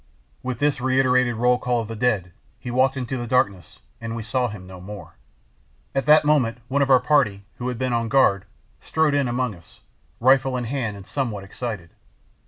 With this reiterated roll call of the dead he walked into the darkness and we saw him no more. At that moment one of our party, who had been on guard, strode in among us, rifle in hand and somewhat excited.